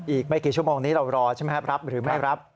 อีกไม่กี่ชั่วโมงนี้เรารอใช่ไหมครับรับหรือไม่รับ